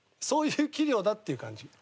そういう器量だっていう感じ。